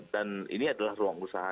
dan ini adalah ruang usaha